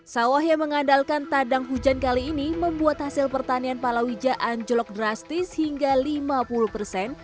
sawah yang mengandalkan tadang hujan kali ini membuat hasil pertanian palawija anjlok drastis hingga lima puluh persen